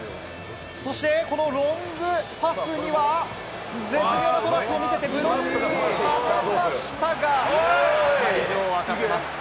そしてこのロングパスには絶妙なトラップを見せてブロックされましたが、会場を沸かせます。